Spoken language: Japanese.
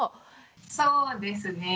そうですね。